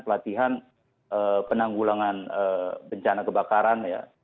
pelatihan penanggulangan bencana kebakaran ya